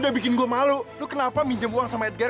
jalan jalan cari udara segar